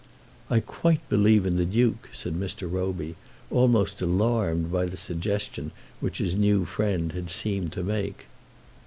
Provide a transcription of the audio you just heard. "I quite believe in the Duke," said Mr. Roby, almost alarmed by the suggestion which his new friend had seemed to make.